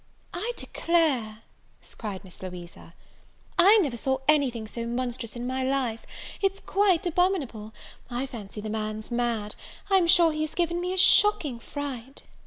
"I declare," cried Miss Louisa, "I never saw any thing so monstrous in my life! it's quite abominable; I fancy the man's mad; I'm sure he has given me a shocking fright!"